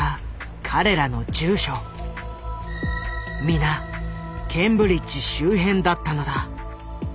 皆ケンブリッジ周辺だったのだ。